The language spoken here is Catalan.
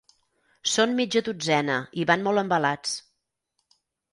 Són mitja dotzena i van molt embalats.